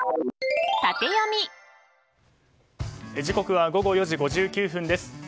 時刻は午後４時５９分です。